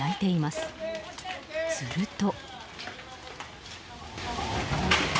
すると。